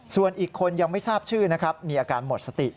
ส่วนอีกคนยังไม่ทราบชื่อนะครับมีอาการหมดสติ